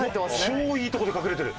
超いいとこで隠れてる。